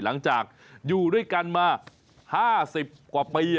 อีกครั้งนี้ด้วยหลังจากอยู่ด้วยกันมา๕๐กว่าปี